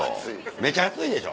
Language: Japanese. めっちゃ暑いでしょ？